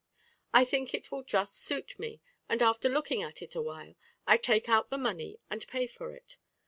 I think it will just suit me; and after looking at it awhile, I take out the money and pay for it.